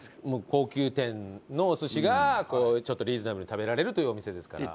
高級店のお寿司がちょっとリーズナブルに食べられるというお店ですから。